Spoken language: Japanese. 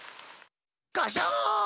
ガシャーン！